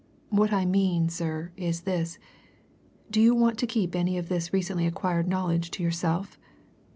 What I mean sir, is this do you want to keep any of this recently acquired knowledge to yourself?